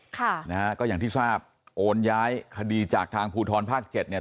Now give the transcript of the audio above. ค่ะนะฮะก็อย่างที่ทราบโอนย้ายคดีจากทางภูทรภาคเจ็ดเนี่ย